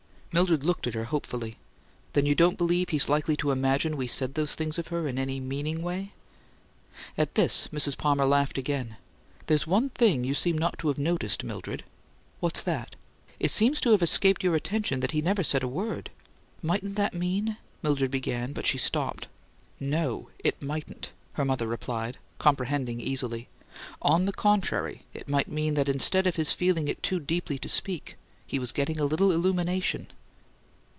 Mildred looked at her hopefully. "Then you don't believe he's likely to imagine we said those things of her in any meaning way?" At this, Mrs. Palmer laughed again. "There's one thing you seem not to have noticed, Mildred." "What's that?" "It seems to have escaped your attention that he never said a word." "Mightn't that mean ?" Mildred began, but she stopped. "No, it mightn't," her mother replied, comprehending easily. "On the contrary, it might mean that instead of his feeling it too deeply to speak, he was getting a little illumination."